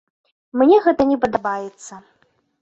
Мне гэта не падабаецца.